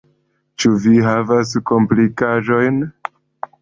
Ĉu vi havas komplikaĵojn?